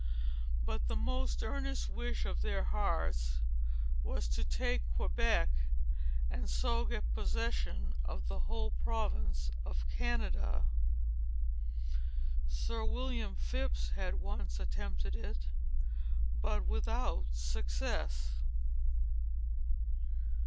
But the most earnest wish of their hearts was, to take Quebec, and so get possession of the whole province of Canada. Sir William Phips had once attempted it, but without success.